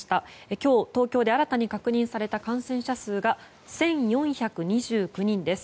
今日、東京で新たに確認された感染者数が１４２９人です。